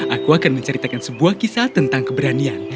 aku akan menceritakan sebuah kisah tentang keberanian